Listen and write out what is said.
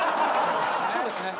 そうですね。